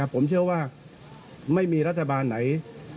ผมเชื่อว่าไม่มีรัฐบาลไหน